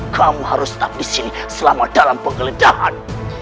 kamu harus tetap disini selama dalam penggeledahan